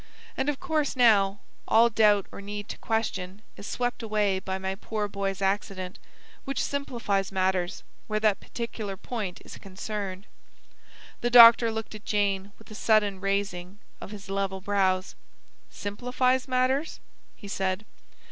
And of course now, all doubt or need to question is swept away by my poor boy's accident, which simplifies matters, where that particular point is concerned." The doctor looked at Jane with a sudden raising of his level brows. "Simplifies matters?" he said.